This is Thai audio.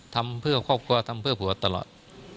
ทำเพื่อครอบครัวทำเพื่อผัวตลอด